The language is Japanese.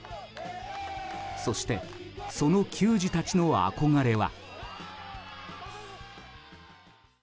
そして、その球児たちの憧れは。